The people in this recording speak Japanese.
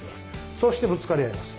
そうしてぶつかり合います。